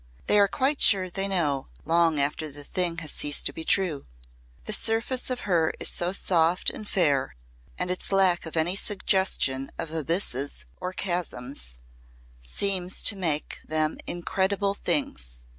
They are quite sure they know long after the thing has ceased to be true. The surface of her is so soft and fair, and its lack of any suggestion of abysses or chasms seems to make them incredible things.